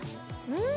うん！